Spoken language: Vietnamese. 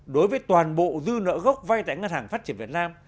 đối với toàn bộ dư nợ gốc vay tại ngân hàng phát triển việt nam